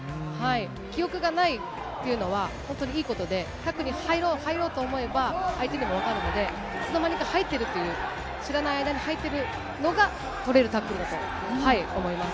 記憶がないっていうのは、本当にいいことで、タックルに入ろう、入ろうと思えば、相手にも分かるので、いつの間にか入ってるという、知らない間に入っているのが取れるタックルだと思います。